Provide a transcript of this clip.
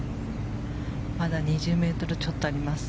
まだ２０ｍちょっとあります。